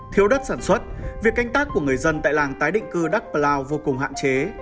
thiếu đất sản xuất việc canh tác của người dân tại làng tái định cư đắk lao vô cùng hạn chế